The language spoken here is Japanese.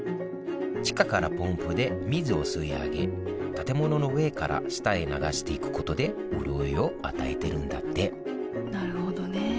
地下からポンプで水を吸い上げ建物の上から下へ流していくことで潤いを与えてるんだってなるほどね。